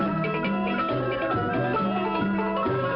จบแล้วตรงโปรดอกพี่กุญทองท่านราชธานแด่พระบรมวงศานุวงศ์